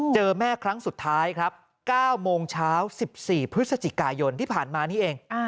เจอแม่ครั้งสุดท้ายครับ๙โมงเช้า๑๔พฤศจิกายนที่ผ่านมานี่เอง